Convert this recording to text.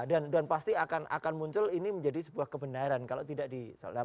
ya dan pasti akan muncul ini menjadi sebuah kebenaran kalau tidak disolidasi